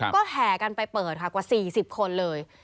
ก็แห่กันไปเปิดค่ะกว่า๔๐คนเลย